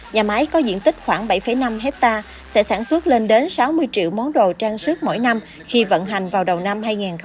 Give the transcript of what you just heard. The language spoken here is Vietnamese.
nhà máy có diện tích khoảng bảy năm hectare sẽ sản xuất lên đến sáu mươi triệu món đồ trang sức mỗi năm khi vận hành vào đầu năm hai nghìn hai mươi